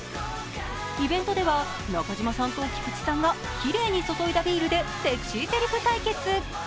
イベントでは中島さんと菊池さんがきれいに注いだビールでセクシーセリフ対決。